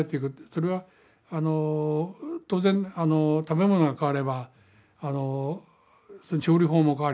それは当然食べ物が変われば調理法も変わります。